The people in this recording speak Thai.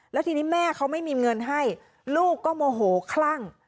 แล้วทีนี้แม่เขาไม่มีเงินให้ลูกก็โมโหคลั่ง